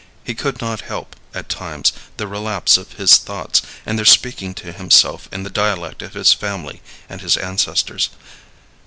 He could not help, at times, the relapse of his thoughts, and their speaking to himself in the dialect of his family and his ancestors.